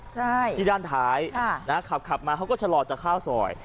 ใช่ที่ด้านท้ายขับขับมาเขาก็ชะลอจะเข้าซอย